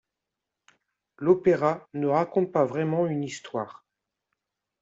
L'opéra ne raconte pas vraiment une histoire.